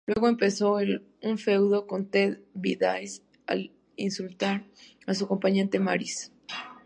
Luego, empezó un feudo con Ted DiBiase al insultar a su acompañante, Maryse.